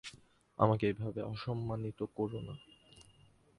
আমাকে এভাবে অসম্মানিত কোরো না।